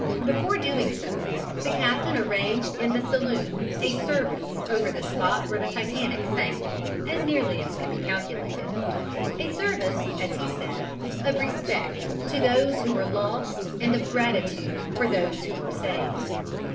Before doing so the captain arranged in the saloon a service over the spot where the Titanic sank, as nearly as could be calculated, a service, as he said, of respect to those who were lost and of gratitude for those who were saved.